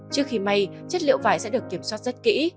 trước khi may chất liệu vải sẽ được kiểm soát rất kỹ